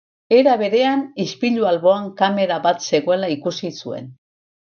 Era berean, ispilu alboan kamera bat zegoela ikusi zuen.